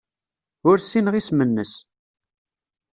Ur ssineɣ isem-nnes.